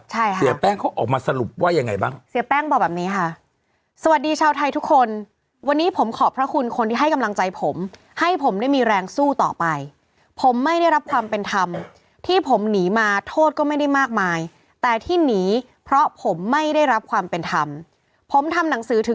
ใช่ค่ะเสียแป้งเขาออกมาสรุปว่ายังไงบ้างเสียแป้งบอกแบบนี้ค่ะ